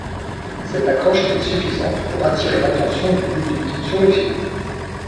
Cette accroche était suffisante pour attirer l'attention du public sur le film.